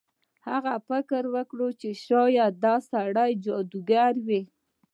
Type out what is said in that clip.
هغه فکر وکړ چې شاید دا سړی جادوګر وي.